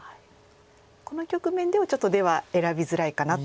この局面ではちょっと出は選びづらいかなと。